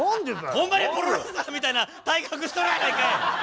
ホンマにプロレスラーみたいな体格しとるやないかい！